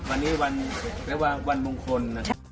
วันนี้วันวันมงคล